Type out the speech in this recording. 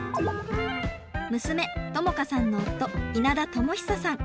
娘孝佳さんの夫稲田智久さん。